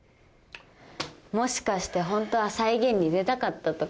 もしかしてホントは再現に出たかったとか？